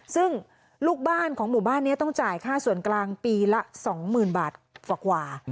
ซึ่งลูกบ้านของหมู่บ้านนี้ต้องจ่ายค่าส่วนกลางปีละ๒๐๐๐บาทกว่า